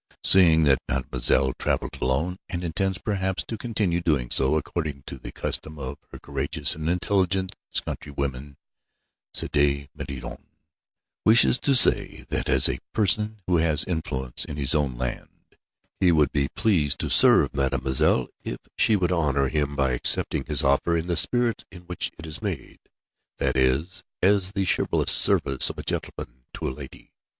Seeing that Mademoiselle travelled alone, and intends perhaps to continue doing so, according to the custom of her courageous and intelligent countrywomen, Sidi Maïeddine wishes to say that, as a person who has influence in his own land, he would be pleased to serve Mademoiselle, if she would honour him by accepting his offer in the spirit in which it is made: that is, as the chivalrous service of a gentleman to a lady.